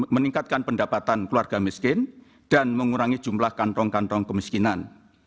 meningkatkan pendapatan keluarga miskin dan mengurangi jumlah kantong kantong kemiskinan